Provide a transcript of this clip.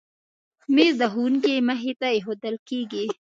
مېز د ښوونکي مخې ته ایښودل کېږي.